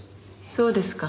そうですか。